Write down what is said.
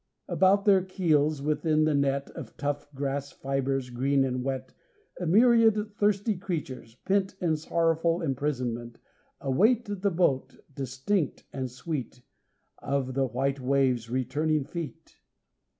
About their keels, within the net Of tough grass fibres green and wet, A myriad thirsty creatures, pent In sorrowful imprisonment, Await the beat, distinct and sweet, Of the white waves' returning feet.